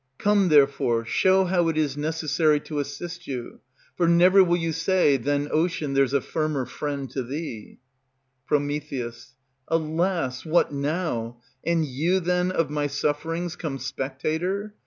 Come, therefore, Show how it is necessary to assist you; For never will you say, than Ocean There's a firmer friend to thee. Pr. Alas! what now? And you, then, of my sufferings Come spectator?